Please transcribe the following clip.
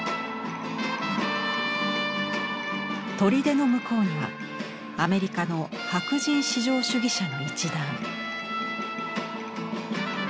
砦の向こうにはアメリカの白人至上主義者の一団。